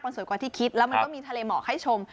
สวยกว่าที่คิดแล้วมันก็มีทะเลหมอกให้ชม